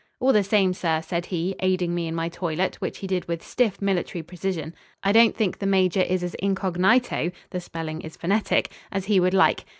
"All the same, sir," said he, aiding me in my toilet, which he did with stiff military precision, "I don't think the Major is as incognighto" (the spelling is phonetic) "as he would like.